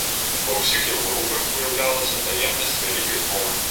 Ва ўсіх яго рухах выяўлялася таемнасць вялікай змовы.